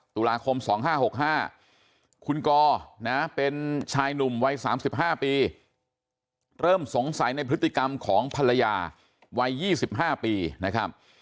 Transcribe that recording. ตุลาคม๒๕๖๕คุณกอนะเป็นชายหนุ่มวัย๓๕ปีเริ่มสงสัยในพฤติกรรมของภรรยาวัย๒๕ปีนะครับ